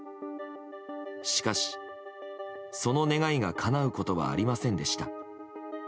しかし、その願いがかなうことはありませんでした。